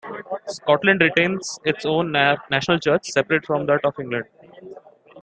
Scotland retains its own national church, separate from that of England.